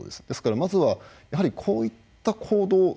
ですからまずはやはりこういった行動